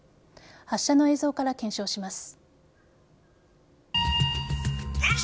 発射の映像から検証します。